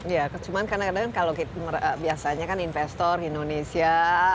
ya cuman kadang kadang kalau biasanya kan investor indonesia